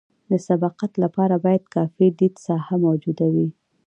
د سبقت لپاره باید کافي د لید ساحه موجوده وي